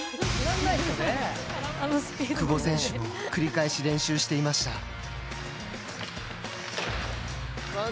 久保選手も繰り返し練習していました。